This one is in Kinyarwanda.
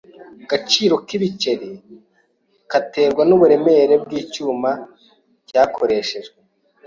Agaciro k'ibiceri katerwaga n'uburemere bw'icyuma cyakoreshejwe.